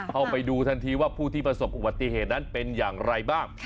เข้าไปดูทันทีว่าผู้ที่ประสบอุบัติเหตุนั้นเป็นอย่างไรบ้าง